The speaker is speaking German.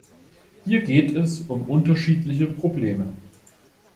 Hier geht es um unterschiedliche Probleme.